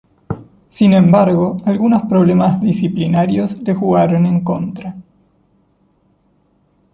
Sin embargo algunos problemas disciplinarios le jugaron en contra.